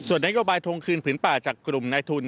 ส่วนนโยบายทวงคืนผืนป่าจากกลุ่มนายทุน